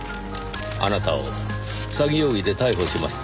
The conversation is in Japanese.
あなたを詐欺容疑で逮捕します。